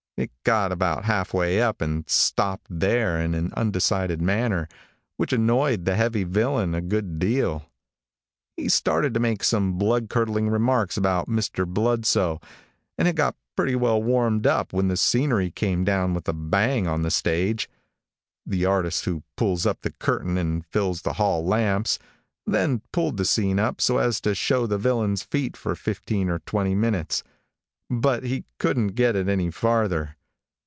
It got about half way up, and stopped there in an undecided manner, which annoyed the heavy villain a good deal. He started to make some blood curdling remarks about Mr. Bludsoe, and had got pretty well warmed up when the scenery came down with a bang on the stage. The artist who pulls up the curtain and fills the hall lamps, then pulled the scene up so as to show the villain's feet for fifteen or twenty minutes, but he couldn't get it any farther.